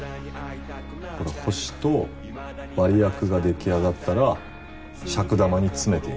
この星と割薬が出来上がったら尺玉に詰めていく。